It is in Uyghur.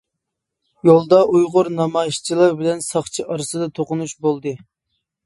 يولدا ئۇيغۇر نامايىشچىلار بىلەن ساقچى ئارىسىدا توقۇنۇش بولدى.